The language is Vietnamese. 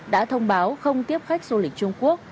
đã thông báo không tiếp khách du lịch trung quốc